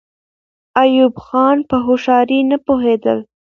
ایوب خان په هوښیارۍ نه پوهېدل.